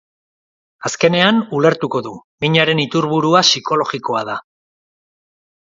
Azkenean, ulertuko du: minaren iturburua psikologikoa da.